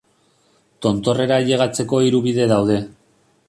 Tontorrera ailegatzeko hiru bide daude.